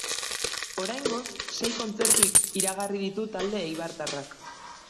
Oraingoz sei kontzertu iragarri ditu talde eibartarrak.